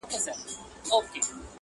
زه به ستا هېره که په یاد یم-